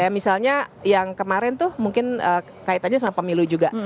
misalnya yang kemarin tuh mungkin kaitannya sama pemilu juga